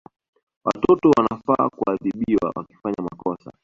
Watoto wanafaa kuadhibiwa wakifanya makosa